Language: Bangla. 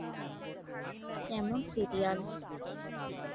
- কেমন সিরিয়াল।